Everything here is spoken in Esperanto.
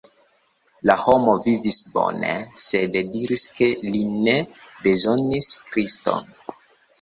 La homo vivis bone, sed diris ke li ne bezonis Kriston.